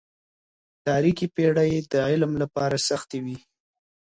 تاريکي پېړۍ د علم لپاره سختې وې.